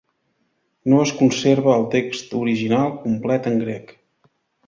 No es conserva el text original complet en grec.